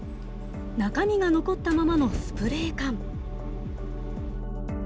中身が残ったままのスプレー缶。